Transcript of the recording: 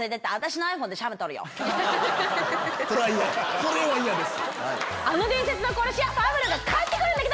それは嫌です。